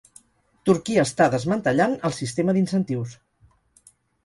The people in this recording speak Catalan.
Turquia està desmantellant el sistema d'incentius.